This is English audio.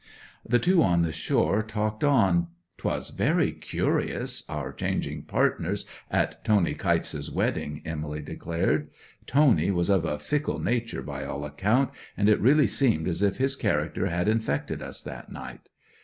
'The two on the shore talked on. "'Twas very curious—our changing partners at Tony Kytes's wedding," Emily declared. "Tony was of a fickle nature by all account, and it really seemed as if his character had infected us that night.